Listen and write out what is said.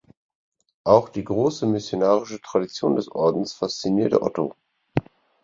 Auch die große missionarische Tradition des Ordens faszinierte Otto.